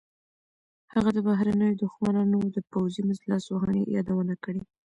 هغه د بهرنیو دښمنانو د پوځي لاسوهنې یادونه کړې.